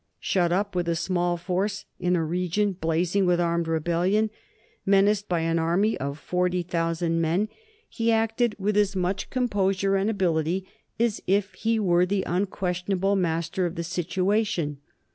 Shut up with a small force in a region blazing with armed rebellion, menaced by an army of forty thousand men, he acted with as much composure and ability as if he were the unquestioned master of the situation.